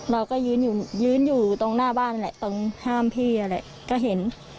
เราก็ยืนอยู่ตรงหน้าบ้านตรงห้ามพี่อะไรก็เห็น